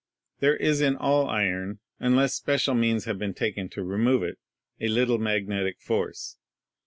There is in all iron, unless special means have been taken to remove it, a little magnetic force.